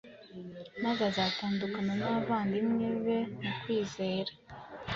maze atandukana n’abavandimwe be mu kwizera